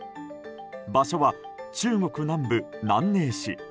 場所は中国南部南寧市。